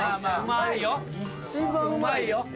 一番うまいやつ。